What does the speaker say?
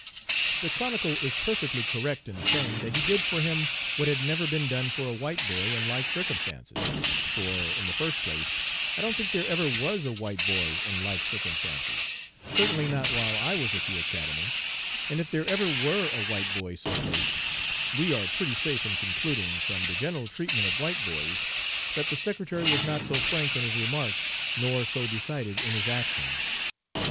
The Chronicle is perfectly correct in saying 'that he did for him what had never been done for a white boy in like circumstances,' for, in the first place, I don't think there ever was 'a white boy in like circumstances,' certainly not while I was at the Academy, and if there ever were a white boy so placed, we are pretty safe in concluding, from the general treatment of white boys, that the secretary was not so frank in his remarks nor so decided in his action.